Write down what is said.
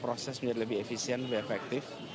proses menjadi lebih efisien lebih efektif